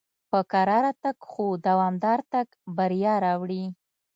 په کراره تګ خو دوامدار تګ بریا راوړي.